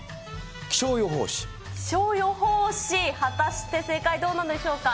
気象予報士、果たして正解どうなんでしょうか。